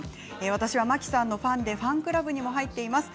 私は摩季さんのファンでファンクラブにも入っています。